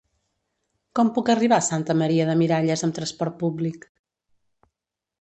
Com puc arribar a Santa Maria de Miralles amb trasport públic?